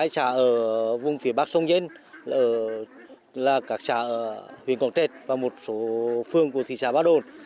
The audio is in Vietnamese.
một mươi hai xã ở vùng phía bắc sông danh là các xã huyện quảng trạch và một số phương của thị xã ba đồn